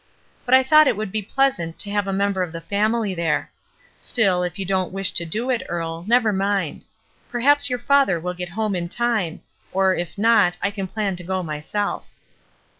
But I thought it would be pleasant to have a member of the family there; still, if you don't wish to do it, Earle, never mind. Perhaps your father will get home in time, or, if not, I can plan to go myself.''